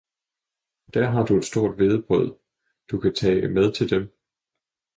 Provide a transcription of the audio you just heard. »Der har Du et stort Hvedebrød, Du kan tage med til dem.